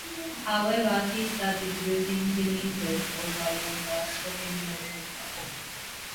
However, he started losing his influence over younger Slovenian authors.